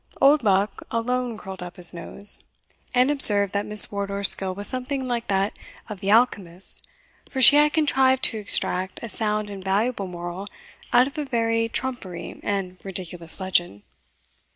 Oldbuck alone curled up his nose, and observed, that Miss Wardour's skill was something like that of the alchemists, for she had contrived to extract a sound and valuable moral out of a very trumpery and ridiculous legend.